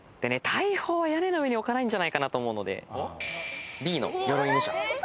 大砲屋根の上に置かないんじゃないかと思うのでＢの鎧武者。